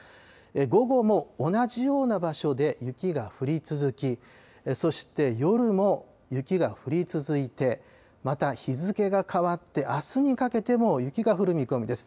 午後も同じような場所で雪が降り続き、そして夜も雪が降り続いて、また、日付が変わってあすにかけても雪が降る見込みです。